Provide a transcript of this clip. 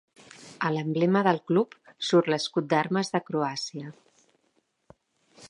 A l'emblema del club surt l'escut d'armes de Croàcia.